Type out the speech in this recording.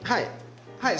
はい。